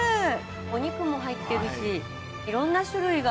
お肉も入ってるしいろんな種類が。